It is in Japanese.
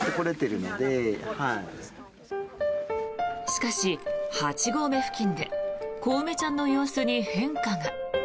しかし、八合目付近でこうめちゃんの様子に変化が。